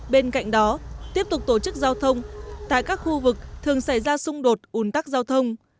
bên cạnh đó tiếp tục tổ chức giao thông tại các khu vực thường xảy ra xung đột ủn tắc giao thông